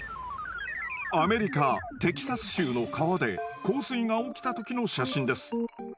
アメリカテキサス州の川で洪水が起きた時の写真です。